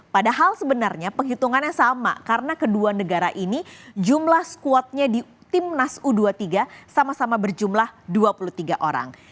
padahal sebenarnya penghitungannya sama karena kedua negara ini jumlah squadnya di timnas u dua puluh tiga sama sama berjumlah dua puluh tiga orang